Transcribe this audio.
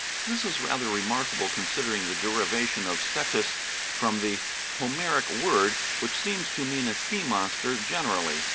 This is rather remarkable con sidering the derivation of Cetus from the Homeric word, which seems to mean a sea monster generally.